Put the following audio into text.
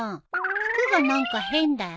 服が何か変だよ。